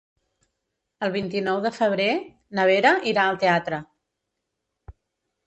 El vint-i-nou de febrer na Vera irà al teatre.